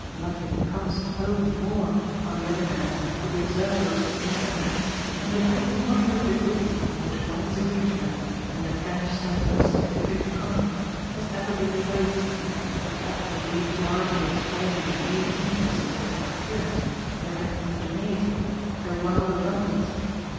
Nothing comes home more, on the other hand, to the observer of English manners than the very moderate degree in which wise arrangement, in the French sense of a scientific economy, has ever been invoked; a fact indeed largely explaining the great interest of their incoherence, their heterogeneity, their wild abundance.